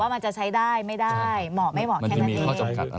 มันจะใช้ได้ไม่ได้เหมาะไม่เหมาะแค่นั้นเอง